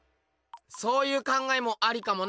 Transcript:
そういう考えもありかもな。